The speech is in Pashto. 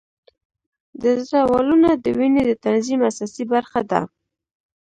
د زړه والونه د وینې د تنظیم اساسي برخه ده.